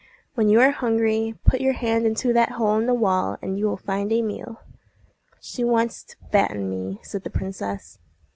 When you are hungry, put your hand into that hole in the wall, and you will find a meal." "She wants to fatten me," said the princess.